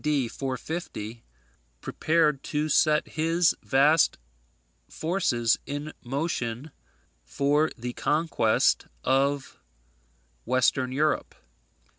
D. 450, prepared to set his vast forces in motion for the conquest of Western Europe.